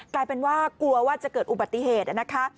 กลายเป็นว่ากลัวว่าจะเกิดอุบัติเหตุนะคะ